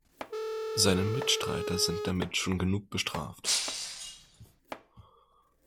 Seine Mitstreiter sind damit schon genug bestraft.